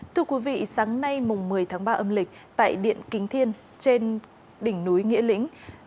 thưa quý vị sáng nay mùng một mươi tháng ba âm lịch tại điện kính thiên trên đỉnh núi nghĩa lĩnh